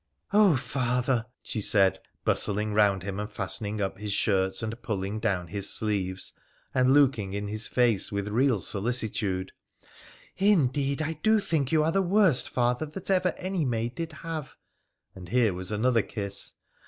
' Oh, father !' she said, bustling round him and fastening up his shirt and pulling down his sleeves, and looking in his face with real solicitude, ' indeed I do think you are the worst father that ever any maid did have,' and here was another kiss.